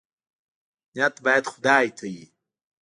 نیت باید خدای ته وي